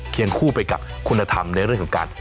คู่ไปกับคุณธรรมในเรื่องของการ